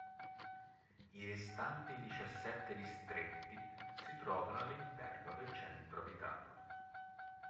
I restanti diciassette distretti si trovano all'interno del centro abitato.